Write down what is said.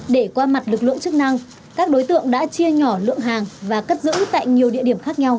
để qua mặt lực lượng chức năng các đối tượng đã chia nhỏ lượng hàng và cất giữ tại nhiều địa điểm khác nhau